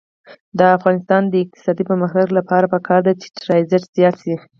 د افغانستان د اقتصادي پرمختګ لپاره پکار ده چې ترانزیت زیات شي.